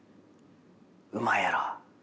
「うまいやろ？」